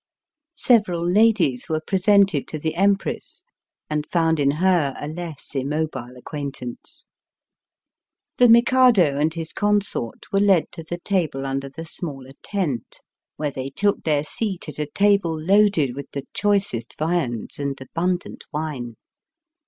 Several ladies were presented to the Empress, and found in her a less immobile acquaintance. The Mikado and his consort were led to the table under the smaller tent, where they took their seat at a table loaded with the choicest viands and abundant wine.